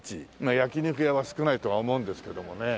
焼き肉屋は少ないとは思うんですけどもね。